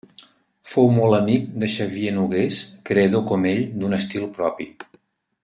Fou molt amic de Xavier Nogués, creador com ell d'un estil propi.